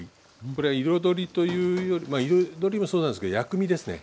これは彩りというより彩りもそうなんですけど薬味ですね